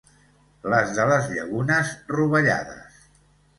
Les de les Llagunes, rovellades.